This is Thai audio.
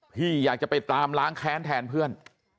พี่อยากจะไปตามล้างแค้นแทนเพื่อน